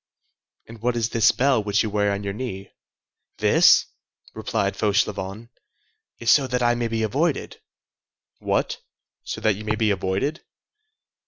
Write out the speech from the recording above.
"And what is this bell which you wear on your knee?" "This," replied Fauchelevent, "is so that I may be avoided." "What! so that you may be avoided?"